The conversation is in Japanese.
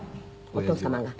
お父様が？